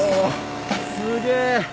すげえ！